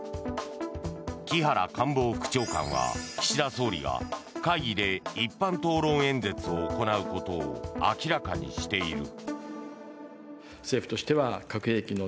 木原官房副長官は岸田総理が会議で一般討論演説を行うことを明らかにしている。